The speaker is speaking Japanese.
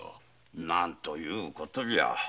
なんということじゃ！